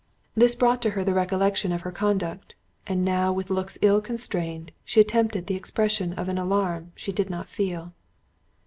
This brought her to the recollection of her conduct, and now with looks ill constrained, she attempted the expression of an alarm she did not feel.